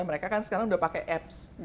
mereka kan sekarang udah pakai apps